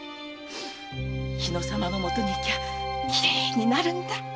日野様のもとに行きゃきれいになるんだ！